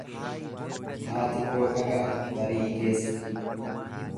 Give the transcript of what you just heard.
Haati koo dhaga'a barii keessa.